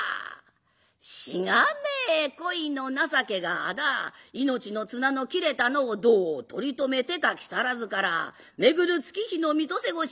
「しがねぇ恋の情けが仇命の綱の切れたのをどう取り留めてか木更津から巡る月日の三年越し